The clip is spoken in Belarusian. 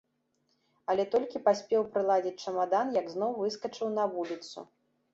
Але толькі паспеў прыладзіць чамадан, як зноў выскачыў на вуліцу.